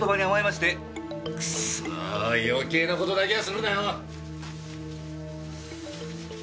そー余計なことだけはするなよ！